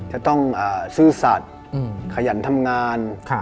จะต้องซื่อสัตว์ขยันทำงาน